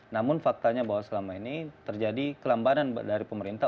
namun faktanya bahwa selama ini terjadi kelambanan dari pemerintah